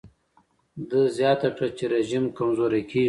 ده زیاته کړه چې رژیم کمزوری کېږي.